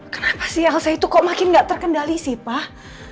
kenapa sih elsa itu kok makin gak terkendali sih pak